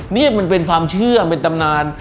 นี่มันเป็นความเชื่อเป็นตำนาน